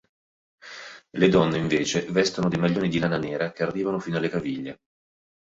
Le donne, invece, vestono dei maglioni di lana nera che arrivano fino alle caviglie.